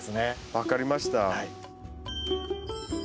分かりました。